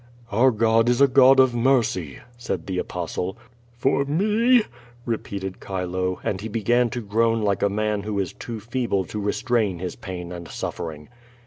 "Our God is a God of mercy," said the Apostle. "For me?" repeated Chilo, and he began to groan like .1 man who is too feeble to restrain his pain and suffering.